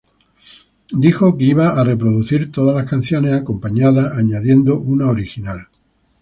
Dijo que iba a re-producir todas las canciones acompañadas añadiendo una original.